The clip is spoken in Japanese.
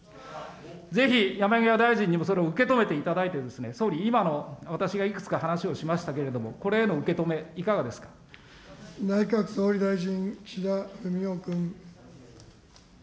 ぜひ山際大臣にもそれを受け止めていただいてですね、総理、今の私がいくつか話をしましたけれども、これへの受け止め、内閣総理大臣、岸田文雄君。